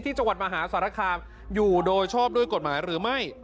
จังหวัดมหาสารคามอยู่โดยชอบด้วยกฎหมายหรือไม่